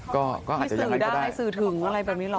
ก็ก็อาจจะอย่างนั้นก็ได้ที่สื่อได้สื่อถึงอะไรแบบนี้หรอก